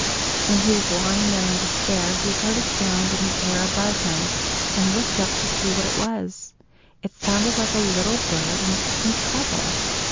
While he was lying there in despair, he heard a sound in the air above him, and looked up to see what it was. It sounded like a little bird in some trouble.